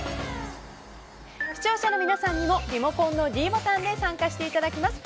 視聴者の皆さんにもリモコンのｄボタンで参加していただきます。